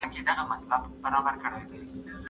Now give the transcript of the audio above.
تاسو بايد د سياست پوهني په اړه د پوهانو سره کښېنئ.